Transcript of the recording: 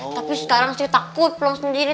tapi sekarang saya takut pulang sendiri